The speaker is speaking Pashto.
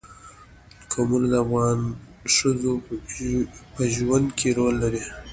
قومونه د افغان ښځو په ژوند کې رول لري.